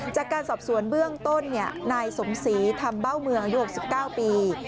จากการสรรค์ส่วนเบื้องต้นนายสมศรีทำเบ้าเมือรุง๔๙ปี